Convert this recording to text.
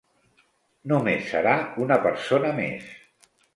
Només serà una persona més.